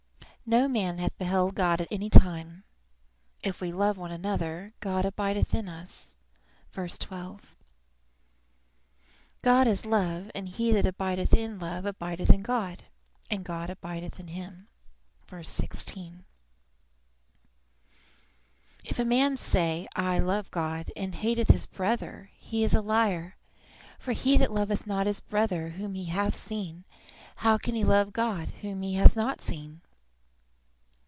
"No man hath beheld God at any time; if we love one another, God abideth in us." iv. 12. "God is love; and he that abideth in love abideth in God, and God abideth in him." iv. 16. "If a man say, I love God, and hateth his brother, he is a liar; for he that loveth not his brother whom he hath seen, how can he love God whom he hath not seen?"